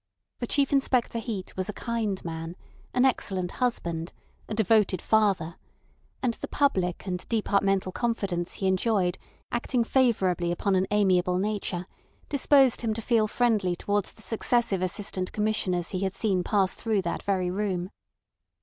For Chief Inspector Heat was a kind man, an excellent husband, a devoted father; and the public and departmental confidence he enjoyed acting favourably upon an amiable nature, disposed him to feel friendly towards the successive Assistant Commissioners he had seen pass through that very room.